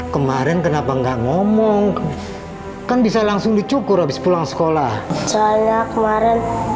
kemarin kenapa enggak ngomong kan bisa langsung dicukur habis pulang sekolah saya kemarin